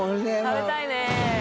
食べたいね。